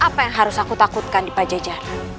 apa yang harus aku takutkan di pajajar